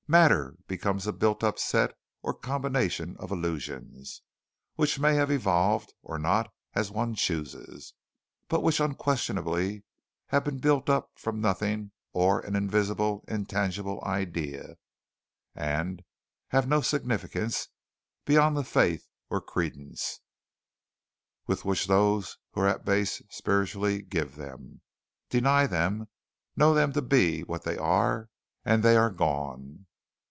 Matter becomes a built up set or combination of illusions, which may have evolved or not as one chooses, but which unquestionably have been built up from nothing or an invisible, intangible idea, and have no significance beyond the faith or credence, which those who are at base spiritual give them. Deny them know them to be what they are and they are gone.